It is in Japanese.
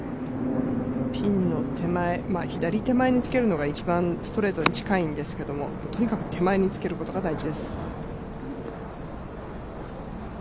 ピンの左手前につけるのが一番ストレートに近いんですけどとにかく手前につけることが大事です。